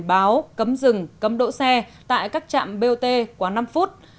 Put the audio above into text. biển báo cấm rừng cấm đỗ xe tại các trạm bot quá năm phút